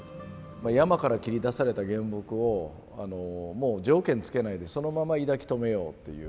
山から切り出された原木をもう条件つけないでそのまま抱き留めようっていう。